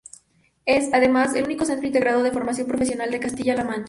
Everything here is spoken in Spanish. Es, además, el único Centro Integrado de Formación Profesional de Castilla-La Mancha.